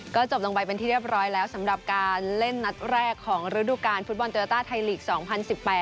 ก็จบลงไปเป็นที่เรียบร้อยแล้วสำหรับการเล่นนัดแรกของฤดูการฟุตบอลโยต้าไทยลีก๒๐๑๘